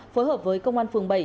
phối hợp với công an phường bảy